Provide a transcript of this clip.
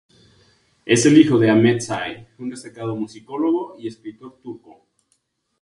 Es el hijo de Ahmet Say, un destacado musicólogo y escritor turco.